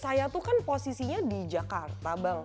saya tuh kan posisinya di jakarta bang